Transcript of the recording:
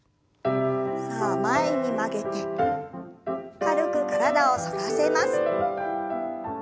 さあ前に曲げて軽く体を反らせます。